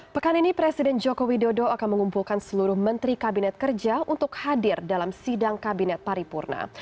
pekan ini presiden joko widodo akan mengumpulkan seluruh menteri kabinet kerja untuk hadir dalam sidang kabinet paripurna